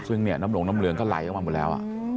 ซึ่งเนี่ยน้ำหลงน้ำเหลืองก็ไหลออกมาหมดแล้ว